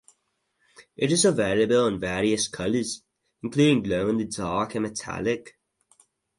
It is available in various colors, including glow-in-the-dark and metallic.